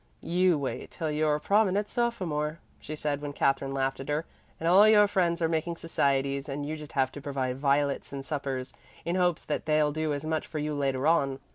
"You wait till you're a prominent sophomore," she said when Katherine laughed at her, "and all your friends are making societies, and you just have to provide violets and suppers, in hopes that they'll do as much for you later on.